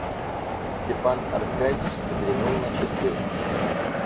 Степан Аркадьич взглянул на часы.